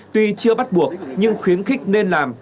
tuy chưa bắt buộc nhưng khuyến khích nên làm